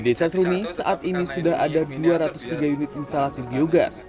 di pasar rumi saat ini sudah ada dua ratus tiga unit instalasi biogas